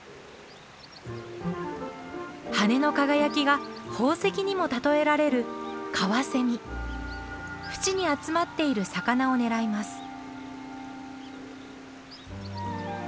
羽の輝きが宝石にも例えられる淵に集まっている魚を狙います。